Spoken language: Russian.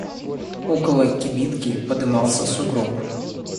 Около кибитки подымался сугроб.